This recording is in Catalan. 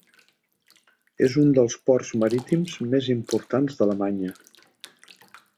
És un dels ports marítims més importants d'Alemanya.